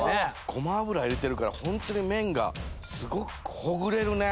ごま油入れてるからホントに麺がすごくほぐれるね。